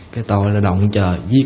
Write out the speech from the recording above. cái tội là động trời